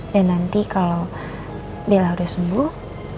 dan nanti kalo bella udah sembuh